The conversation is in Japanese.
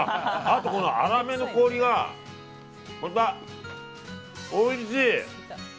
あと、粗めの氷がまたおいしい。